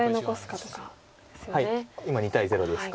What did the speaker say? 今２対０ですか。